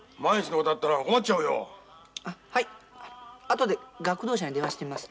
後で学童社に電話してみます。